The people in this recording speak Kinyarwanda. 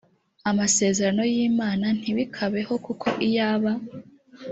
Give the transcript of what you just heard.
amasezerano y imana ntibikabeho kuko iyaba